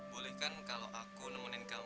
boleh kan kalau aku nemenin kamu